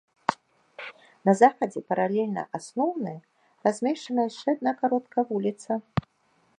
На захадзе, паралельна асноўны, размешчана яшчэ адна кароткая вуліца.